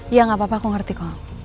ya gapapa aku ngerti kok